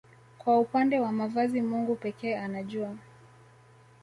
Kwa upande wa mavazi Mungu pekee anajua